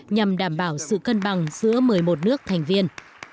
nhằm đảm bảo sự cân bằng giữa một mươi một nước thành viên